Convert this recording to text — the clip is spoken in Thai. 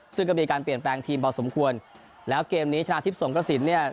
ซึ่งก็มีการเปลี่ยนแปลงทีมพอสมควรแล้วเกมนี้ชนะทิพย์สงกระสินเนี่ย